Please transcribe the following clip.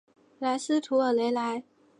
莱斯图尔雷莱。